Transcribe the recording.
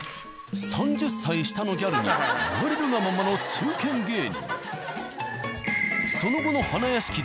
３０歳下のギャルに言われるがままの中堅芸人。